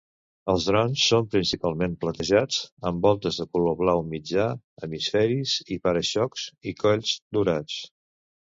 Els drones són principalment platejats amb voltes de color blau mitjà, hemisferis i para-xocs, i colls dorats.